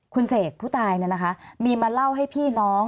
คุณเสกผู้ตายมีมาเล่าให้พี่น้อง